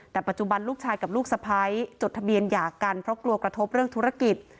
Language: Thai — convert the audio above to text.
แต่ปัจจุบันลูกชายกับลูกสะพ้ายจดทะเบียนหย่ากันเพราะกลัวกระทบเรื่องธุรกิจ